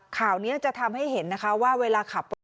ข่าวนี้จะทำให้เห็นนะคะว่าเวลาขับรถ